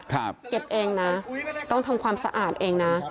เก็บเองนะต้องทำความสะอาดเองนะ